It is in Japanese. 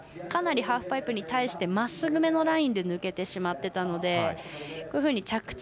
かなりハーフパイプに対してまっすぐめのラインで抜けてしまっていたので。